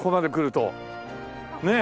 ねえ。